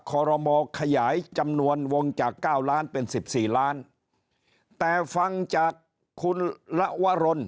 ขอรมอขยายจำนวนวงจากเก้าล้านเป็นสิบสี่ล้านแต่ฟังจากคุณละวรน